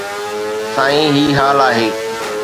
سائين، هي حال آهي